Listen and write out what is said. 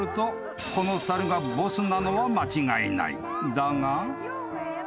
［だが］